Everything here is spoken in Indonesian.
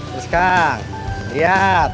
terus kan liat